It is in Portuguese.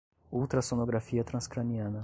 ultrassonografia transcraniana